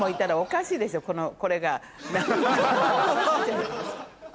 これが。